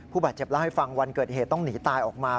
ผู้บาดเจ็บเล่าให้ฟังวันเกิดเหตุต้องหนีตายออกมา